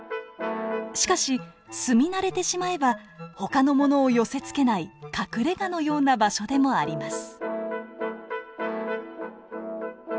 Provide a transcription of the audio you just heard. しかし住み慣れてしまえばほかの者を寄せつけない隠れがのような場所でもあります。